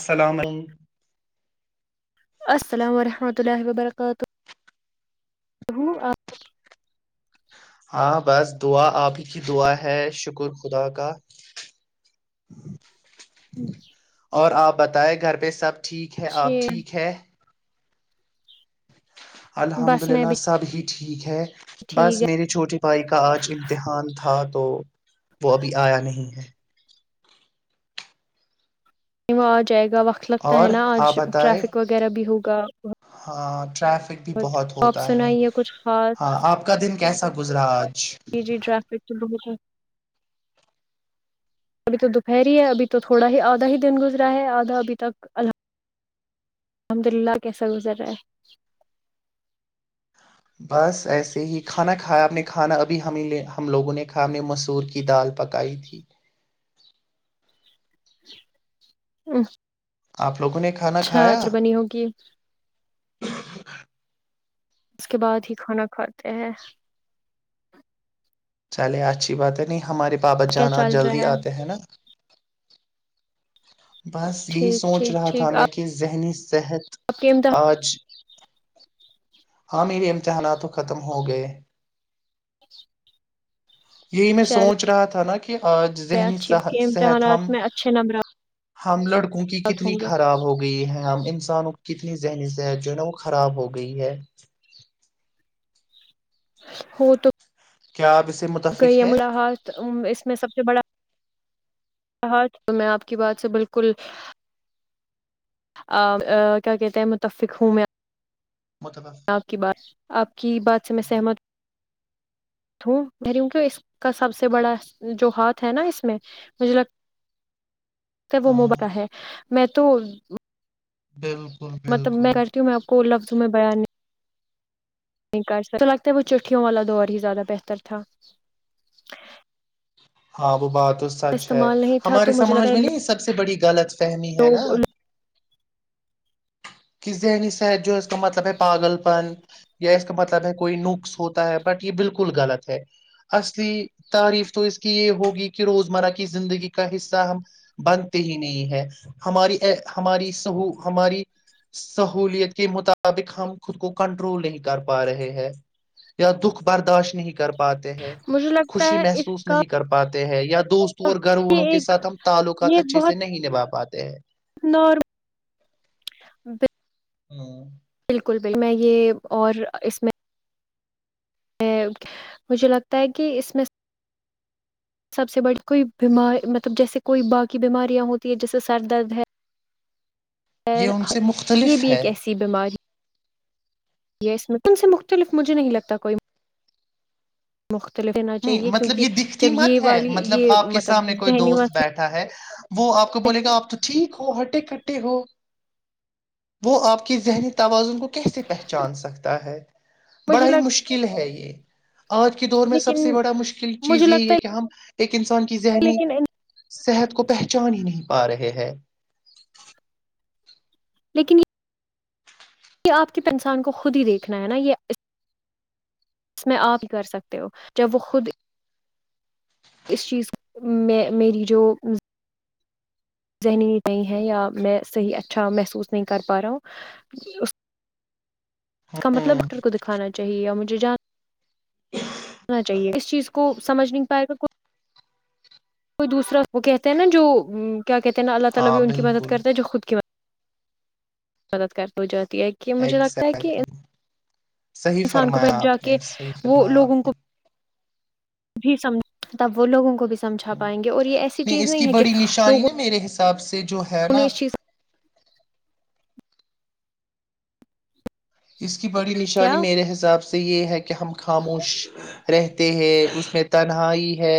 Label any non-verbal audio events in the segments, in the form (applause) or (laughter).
السلام علیکم السلام وورحمۃ اللہ وبرکاتہ کہ آج ہاں بس دعا آپ کی دعا ہے شکر خدا کا اچا اور آپ بتائے گھر پہ سب ٹھیک ہے آپ ٹھیک ہے الحمد بس میں للہ بھی سب ہی ٹھیک ہے بس ٹھیک ہے میرے چھوٹے بھائی کا آج امتحان تھا تو وہ ابھی آیا نہیں ہے وہ آ جائے گا وقت لگتا ہے اور نا آپ آج بتائے ٹریفک وغیرہ بھی ہوگا ہاں ٹریفک بھی بہت اپ ہوتا ہے سنائیے کچھ خاص گجرات جی جی ٹریفک تو بہت ہے۔ ابھی تو دوپہر ہے ابھی تو تھوڑا ہی آدھا ہی دن گزرا ہے آدھا ابھی تک المد الحمد للہ کیسا گزر رہا ہے بس ایسے ہی کھانا کھیا آپ نے کھانا ابھی ہم لوگوں نے کا میں مسور کی دال پکائی تھی (unintelligible) آپ لوگوں نے کھانا کھایا اچھاچر بنی ہوگی (inaudible) اس کے بعد ہی کھانا کھاتے ہیں چلے اچھی بات ہے نہیں ہمارے بابت کیا جان آج چل رہا جلدی ہے آتے ہیں نا بس یہی ٹھیک سوچ ٹھیک رہا تھا ٹھیک میں آپ کہ ذہنی صحت آپ کے امتحان آج ہاں میرے امتحان تو ختم ہوگئے یہی میں چل سوچ رہا تھا نا کہ آج ذہنی اچھی کے صح- صحت امتحانات ہم میں اچھے نمبرات ہم لڑک کی کتنی ہوں گے خراب ہو گئی ہے ہم انسانوں کو کتنی ذہنی صحت جو ہے نا وہ خراب ہو گئی ہے (inaudible) ہو تو کیا آپ اسے متفق ہے ملا ہات اس میں سب سے بڑا ج تو میں آپ کی بات سے بالکل کیا کہتے ہیں متفق ہوں میں متفق آپ کی بات آپ کی بات سے میں سہمت ہوں گریوں کی اس کا سب سے بڑا جو ہاتھ ہے نا اس میں مجھے لگ س وہ ہاں موباد رہے میں تو بالکل مطلب میں بالکل کرتی ہوں میں آپ کو لفظ سم بیان نہیں کر سکتا تو لگتا وہ چٹھیوں والا دور ہی زیادہ بہتر تھا ہاں وہ بات تو سچ ہے استعمال نہیں تھا تو ہمارے مجھے لگتا سماج ہے میں نہیں یہ سب سے بڑی غلط فہمی ہے نا لوگ کہ ذہنی س ہے جو کا مطلب ہے پاگل پن یا اس کا مطلب کوئی نقص ہوتا ہے بٹ یہ بالکل غلط ہے اصلی تعریف تو اس کی یہ ہوگی کہ روزمرہ کی زندگی کا حصہ ہم بنتے ہی نہیں ہے ہماری ہماری سو ہماری سہولیت کے مطابق ہم خود کو کنٹرول نہیں کر پا رہے ہیں یا دکھ برداشت نہیں کر پاتے ہیں مجھے لگتا خوشی ہے اس محسوس نہیں کر پاتے ہیں یا تو دوستوں اور گھر وال کی والوں کے ایک ساتھ ہم تعلقات یہ اچھے سے بہت نہیں نبھا پاتے ہیں نارم ہلو بالکل بائی میں یہ اور اس میں مجھے لگتا ہے کہ اس میں سب سے بڑی کوئی بیم مطلب جیسے کوئی باقی بیماریاں ہوتی ہے جیسے سر درد ہے یہ ان سے یہ مختلف بھی ایک ہے ایسی بیماری ہے یہ اس من سے مختلف مجھے نہیں لگتا کوئی مختلف رہنا نہیں چاہیے مطلب کیونکہ یہ دکھتی جب مت یہ ہے والی مطلب یہ مطلب ذہنی وا ہاں وہ آپ کو بولے گا آپ تو ٹھیک ہو ہٹے کٹے ہو وہ آپ کی ذہنی توازن وہ کیسے پہچان سکتا ہے مجھے بڑا ہی لگ مشکل ہے یہ آج کے دور میں سب لیکن سے مشکل مجھے چیز یہی لگتا ہے کہ ہم ایک انسان کی ذہنی لیکن صحت کو پہچان نہیں پا رہے ہیں لیکن یہ آپ کی پہسان کو خود ہی دیکھنا ہے نا یہ جس میں آپ ہی کر سکتے ہو جب وہ خود اس چیز میں میری جو ذہنی نہیںئی ہے یا میں صحیح اچھا محسوس نہیں کر پا رہا ہوں اس کا مطلب ہوں اسٹر کو دکھانا چاہیے اور مجھے ججان ا نا چاہے اس چیز کو سمجھ نہیں پائے گا کوئی دوسرا وہ کہتے ہیں نا جو ہاں بالکل (inaudible) مدد کر تو جو اگزیکٹلی صحیح انسان کو فرمایا پب جا آپ کے نے صحیح وہ فرمایا لوگوں آپ نے کو بھی سمجھتا وہ لوگوں کو بھی سمجھا ہوں، پائیں گے اور یہ ایسی چیز اس کی نہیں ہے کہ بڑی نشانی لوگوں نا میرے حساب سے جو ہے انوں نے نا اس چیز اس کی بڑی کیا نشانی میرے حساب سے یہ ہے کہ ہم خاموش رہتے ہیں اس میں تنہائی ہے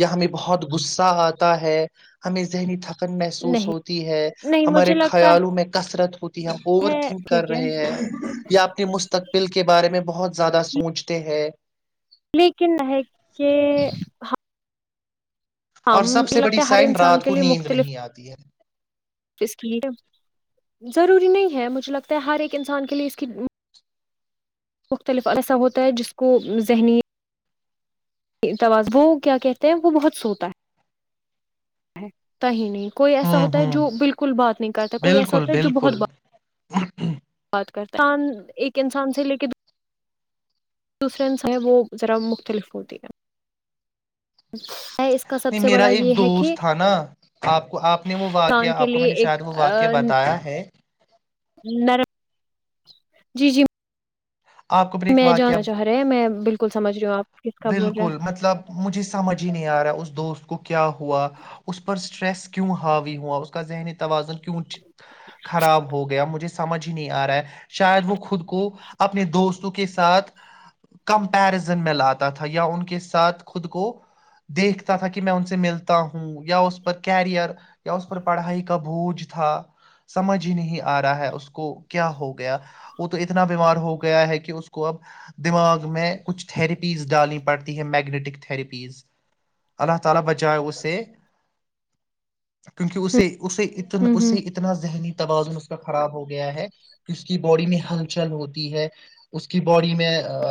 یا ہمیں بہت غصہ آتا ہے ہمیں ذہنی محسوس نہیں ہوتی ہے نہیں ہمارے مجھے لگتا خیالوں میں کثرت ہوتی ہے ہم اوور تھنک کر ٹھیک ہے رہے ہیں یا اپنے مستقبل کے بارے میں بہت زیادہ سوچتے ہیں لیکن ہے کہ اور ہم سب مجھے سے بڑی لگتا ہے ہر سائن انسان رات کے کو لیے نیند مختلف نہیں آتی ہے اس کی ضروری نہیں ہے مجھے لگتا ہے ہر ایک انسان کے لئے اس کی مختلف ایسا ہوتا ہے جس کو ذہنی اتاز وہ کیا کہتے ہیں وہ بہت سوتا ہے تو ہی نہیں کوئی ایسا ہوں ہوتا ہے ہوں جو بالکل بات نہیں کرتا کوئی ایسا ہوتا ہے جو بہت بات اچ (unintelligible) ان ایک انسان سے لے کے دوسرے انسا ہے وہ ذرا مختلف ہوتی ہے اس کا سب نہیں سے میرا بڑا ایک یہ ہے کہ دوست تھا نا آپ کو آپ نے وہ انسان واقعہ کے آپ کو میں لیے نے شاید ایک وہ واقعہ بتایا ہے نرم جی جی آپ کو اپنے ایک میں واقعہ جانا چاہ رہا میں بالکل سمھ رہے ہو آپ کس کا بول رہے بالکل مطلب مجھے سمجھ ہی نہیں آ رہا اس دوست کو کیا ہوا اس پر اسٹریس کیوں حاوی ہوا اس کا ذہنی توازن کی خراب ہو گیا مجھے سمجھ ہی نہیں آ رہا ہے شاید وہ خود کو اپنے دوستوں کے ساتھ کمپیرزن میں لاتے یا ان کے ساتھ خود کو دیکھتا تھا کہ میں ان سے ملتا ہوں یا اس پر کیریئر یا اس پر پڑھائی کا بوجھ تھا سمجھ ہی نہیں آ رہا ہے اس کو کیا ہو گیا وہ تو اتنا بیمار ہو گیا ہے کہ اس کو اب دماغ میں کچھریپ (unintelligible) اس ڈالی بڑھتی ہے میگنیٹک تھیراپیز اللہ تعالی بچا ہے اسے کیونکہ ہیں اسے اسے اتنا ہوں ہوں اسے اتنا ذہنی توازن اس کا خراب ہو گیا ہے کہ اس کی باڈی میں ہلچل ہوتی ہے اس کی باڈی میں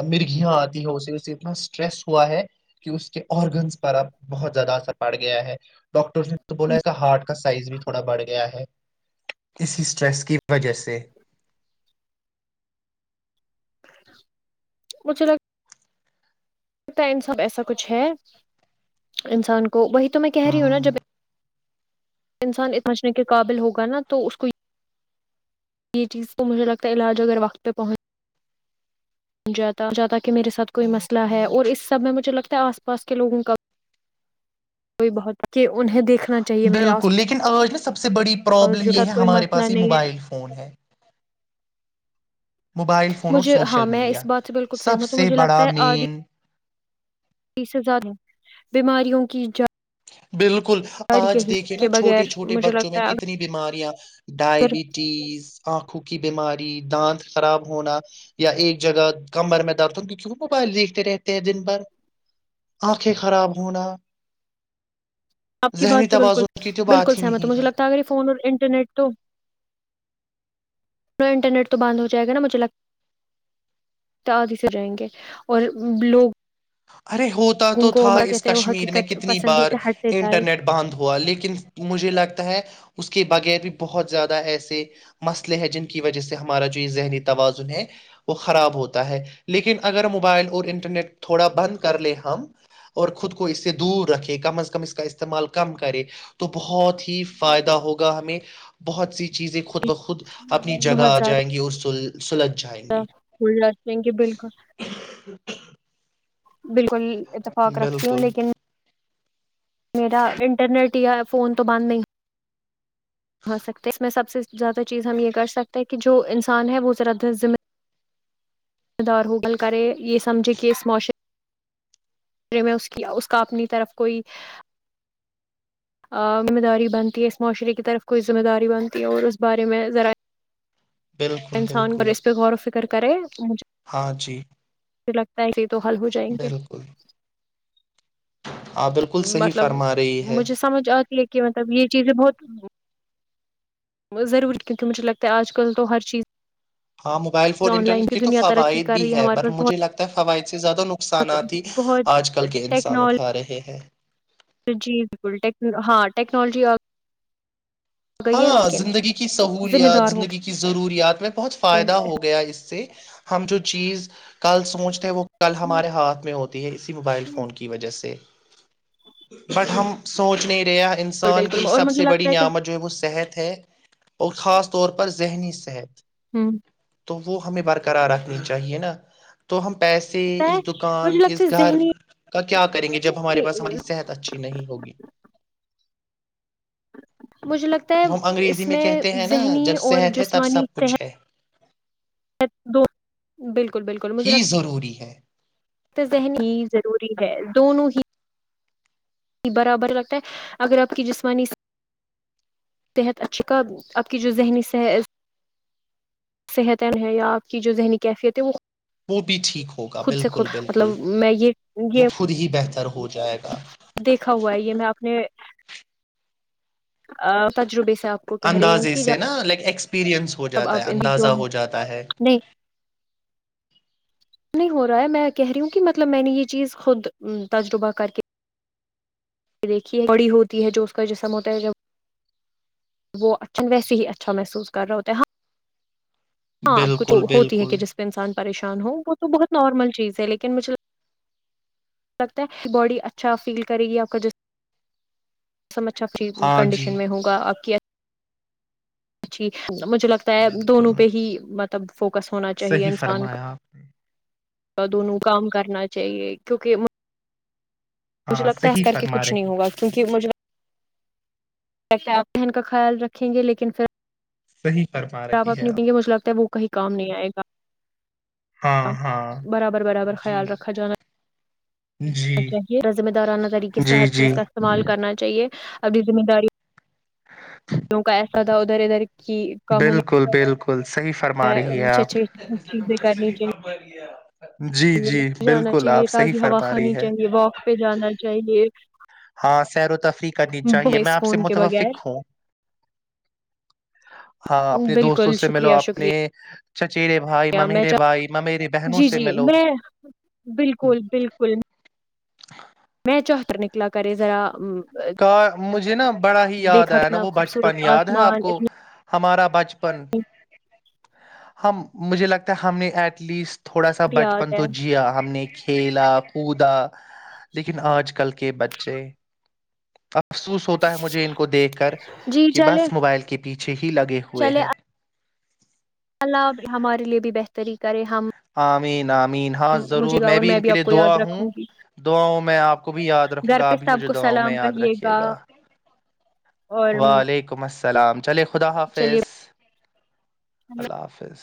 مرگیاں آتی ہے اسے اتنا اسٹریس ہوا ہے کہ اس کے آرگنس پر اب بہت زیادہ اثر پڑ گیا ہے ڈاکٹرس نے تو بولا ہے کا ہارٹ سائز بھی تھوڑا بڑھ گیا ہے اسی اسٹریس کی وجہ سے مھے ل لگتا ہے ان سب ایسا کچھ ہے انسان کو وہی تو میں کہہ رہی ہوں نا جب انسان سنچنے کے قابل ہوگا نا تو اس کو یہ چیز تو مجھے لگتا ہے علاج اگر وقت پہ پہنچ جات جہ ت کہ میرے ساتھ کوئی مسئلہ ہے اور اس سب میں مجھے لگتا ہے آس پاس کے لوگوں کا کوئی بہت کہ انہیں دیکھنا چاہیے میرے آس بالکل لیکن آج ن سب سے بڑی پاس پرابلم جو یہ ساتھ ہے کوئی ہمارے مسئلہ پاس یہ نہیں ہے موبائل فون ہے موبائل فون اور مجھے ہاں سوشل میں میڈیا اس بات سے بالکل سب سہمت تو سے مجھے لگتا بڑا ہے مین آدھی سے زیادہ بیماریوں کی جائے (unintelligible) بالکل (unintelligible) ل آج دیکے نا کے چھوٹے بغیر چھوٹے مجھے بچوں میں لگتا ہے کتنی بیماریاں اگر ڈائبٹیز آنکھوں کی بیماری (unintelligible) دانت خراب ہونا یا ایک جگہ کمر میں درت ہوں کی کی موبائل دیکھتے رہتے ہیں دن بھر آنکھیں خراب ہونا آپ کی ذہنی بات سے بالکل توازن کی تو بالکل بات ہی سحمت نہیں مجھے لگتا ہے اگر فون اور ان ٹرنیٹ تو پا انٹرنیٹ تو بند ہو جائے گا نا مجھے لگتا آدھی سے جائیں گے اور لوگ (unintelligible) ارے ہوتا تو ان کو تھا عمر اس کہتے ہیں وہ کشمیر میں حقیقت کتنی پسندی بار سے ہٹتے جا رہے انٹرنیٹ بند ہوا لیکن مجھے لگتا ہے اس کے بغیر بھی بہت زیادہ ایسے مسئلے ہیں جن کی وجہ سے ہمارا جو یہ ذہنی توازن ہے وہ خراب ہوتا ہے لیکن اگر موبائل اور انٹرنیٹ تھوڑا بند کر لے ہم اور خود کو اس سے دور رکھے کم از کم اس کا استعمال کم کرے تو بہت ہی فائدہ ہوگا ہمیں بہت سی چیزیں خود بخود خود اپنی جگہ آ جائیں گی اسول ک بالکل (unintelligible) بالکل اتفاق رکھتی ہوں بالکل لیکن میرا انٹرنیٹ یا فون تو بند نہیں ہے ہو سکتا اس میں سب سے زیادہ چیز ہم یہ کر سکتے ہیں کہ جو انسان ہے وہ ذرا د ذم دار ہوغل کرے یہ سمجھے کہ اس معاشرے (unintelligible) ذمہ داری بنتی ہے اس معاشرے کی طرف کوئی ذمہ داری بنتی ہے اور اس بارے میں ذرائع بالکل انسان بالکل کا رسپ غور و فکر کرک ہے (unintelligible) ہاں جی لگتا ہے تو حل ہو جائیں گے بالکل (unintelligible) آپ بالکل صحیح مطلب فرما رہی ہے مجھے سمجھ آتی ہے کہ مطلب یہ چیزیں بہت ضروری کیونکہ مجھے لگتا ہے آج کل تو ہر چیز ہاں mobile phone online internet کی تو دنیا ترقی فوائد کر بھی رہی ہے ہمارے پر پاس مجھے لگتا ہے فوائد سے زیادہ بہت نقصانات ہی آج کل بہت کے انسان اٹھا رہے ہیں جی بالکل ہاں ٹیکنالوجی گئی ہے ہاں لیکن زندگی کی ذمہ سہولیات دار ہو زندگی کی ضروریات میں بہت گئے ہیں۔ فائدہ ہو گیا اس سے ہم جو چیز (unintelligible) کل سوچتے وہ کل ہمارے ہاتھ میں ہوتا ہے اسی موبائل فون کی وجہ سے (unintelligible) بٹ ہم سوچنے رہ بالکل انسان کی بالکل اور سب مجھے سے بڑی لگتا ہے نعمت (unintelligible) صحت ہے اور خاص طور پر ذہنی صحت (unintelligible) ہاں (unintelligible) تو وہ ہمیں بار (unintelligible) قرار رکھنی چاہیے نا (unintelligible) تو ہم (unintelligible) پیسے اس دکان مجھے لگتا اس ہے گھر ذہنی کا کیا کریں گے جب ہمارے پاس ہماری صحت اچھی نہیں ہوگی (unintelligible) مجھے لگتا ہے وہ ہم انگریزی اس میں کہتے ہیں نا ذہنی جب اور صحت ہے تب جسمانی سب ا تحت کچھ ہے دو بالکل (unintelligible) ہی ضروری ہے تو ذہن ہی ضروری ہے دونوں ہی برابر لگتا ہے اگر آپ کی جسمانی صحت اچھی کاا آپ کی جو ذہنی صحت ہے یا آپ کی جو ذہنی کیفیت ہے وہ (unintelligible) وہ بھی ٹھیک ہوگا خود سے خود بالکل بالکل مطلب میں یہ وہ یہ خود ہی بہتر ہو (unintelligible) گا دیکھا ہوا ہے یہ میں آپ نے (unintelligible) ا تجرب (inaudible) اندازے سے نا لائک ایکسپیرئنس ہو جب جاتا آپ ہے اندازہ جو ہو جاتا ہے نہیں (unintelligible) نہیں ہو رہا ہے میں کہہ رہی ہوں کہ مطلب میں نے یہ چیز خود تجربہ کر کے (unintelligible) دیکھیے بڑی ہوتی ہے جو اس کا جسم ہوتا ہے جب وہ اچا ویسے ہی اچھا محسوس کر رہے ہوتا ہیں ہاں ہاں آپ کو تو بالکل ہوتی ہے بالکل کہ جس پہ انسان (unintelligible) پریشان ہوں وہ تو بہت نارمل چیز ہے لیکن مجھے (unintelligible) لگتا ہے باڈی اچھا فیل کرے گی آپ کا جسم (unintelligible) سم اچھا فری ہاں جی کنڈیشن میں ہوگا آپ کی (unintelligible) اچھی (inaudible) مجھے لگتا ہے بالکل دونوں پہ ہی مب (unintelligible) فوکس ہونا چاہیے صحیح انسان کا فرمایا آپ نے (unintelligible) دونوں کام کرنا چاہیے کیونکہ (unintelligible) مجھے ہاں لگتا ہے صحیح کر کے فرما کچھ نہیں رہی ہوا کیونک مجھے (unintelligible) آپ ذہن کا خیال رکھیں گے لیکن پھر (unintelligible) ہے صحیح فرما کیا آپ رہی ہے اپنی پگ کے مجھ لگتا ہے وہ کہیں (unintelligible) کام نہیں آئے گا (inaudible) ہاں ہاں برابر برابر جی خیال رکھا جانا (unintelligible) جی چاہے رزم دورانہ طریقے سے جی ہر جی چیز کا استعمال کرنا چاہیے انی ذمہ داری کیوں کہ ادا ادارداری بالکل بالکل صحی فرما رہی ہے اچھے آپ اچھے چیزیں کرنی جی چاہیے جی جانا بالکل آپ چاہیے صحی تازی ہوا فرما رہی کھانی ہے چاہیے واک پہ جانا چاہیے ہاں سیر و تفریح کرنی چاہیے میں اس آپ سے فون کے بغیر متفق ہوں ہاں اپنے دوستوں بالکل سے ملو شکریہ اپنے شکریہ چچیرے بھائی میں ممیرے چاہ بھائی ممیرے بہنوں جی سے جی ملو میں بالکل بالکل میں چوتر نکلا کرے ذرا کا مجھے نا بڑا ہی یاد دیکھا آیا نا کتنا وہ بچپن خوبصورت یاد ہے آپ آسمان کو اتنی ہمارا بچپن ہم مجھے لگتا ہے ہم نے ایڈ ایٹ لیسٹ تھوڑا سا بچپن یاد ہے تو جیا ہم نے کہ کھیلا کودا لیکن آج کل کے بچے مفسوس ہوتا ہے مجھے ان کو دیکھ کر جی کہ چلے بس موبائل کے پیچھے ہی لگے ہوئے چلے ہے اللہ ہمارے لیے بھی بہتری کرے ہم آمین آمین ہاں مجھے ضرور گا میں اور بھی ان کے آپ لیے کو دعا یاد ہوں رکھوں گی دعاؤں میں آپ کو بھی یاد رکھوں گھر گا پہ آپ بھی سب مجھے کو دعاؤں میں سلام یاد کہیے رکھیے گا اور وعلیکم السلام سلام چلے خدا چلیے حافظ اللہ حافظ